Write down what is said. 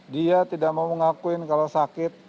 dia tidak mau mengakuin kalau sakit